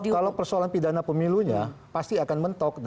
kalau persoalan pidana pemilunya pasti akan mentok